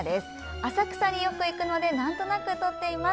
浅草によく行くのでなんとなく撮っています。